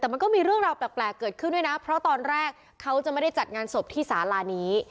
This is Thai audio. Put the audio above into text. แต่มันก็มีเรื่องราวแปลกเกิดขึ้นด้วยนะเพราะตอนแรกเขาจะไม่ได้จัดงานศพที่สาลานี้